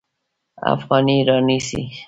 افغانۍ رانیسي.